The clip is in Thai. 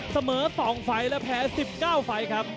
เสมอ๒ไฟแล้วแพ้๑๙ไฟครับ